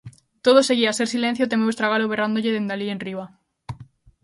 Todo seguía a ser silencio e temeu estragalo berrándolle dende alí enriba: